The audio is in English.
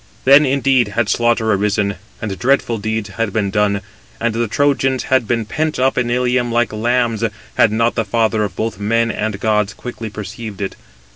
Then, indeed, had slaughter arisen, and dreadful deeds had been done, and [the Trojans] had been pent up in Ilium like lambs, had not the father of both men and gods quickly perceived it.